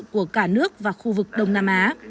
của cả nước và khu vực đông nam á